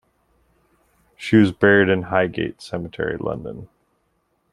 She was buried in Highgate Cemetery, London.